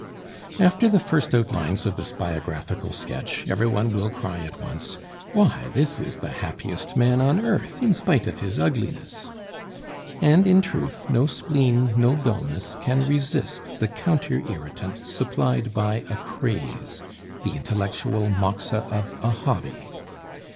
After the first outlines of this biographical sketch, every one will cry at once, "Why! this is the happiest man on earth, in spite of his ugliness!" And, in truth, no spleen, no dullness can resist the counter irritant supplied by a "craze," the intellectual moxa of a hobby.